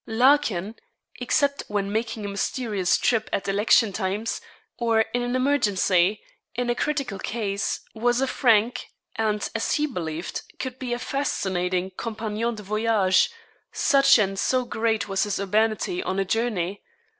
Larkin except when making a mysterious trip at election times, or in an emergency, in a critical case was a frank, and as he believed could be a fascinating compagnon de voyage, such and so great was his urbanity on a journey.